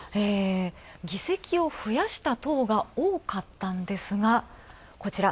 議席を増やした党が多かったんですが、こちら。